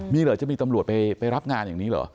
มีเหรอจะมีตำรวจไปรับงานอย่างนี้เหรอ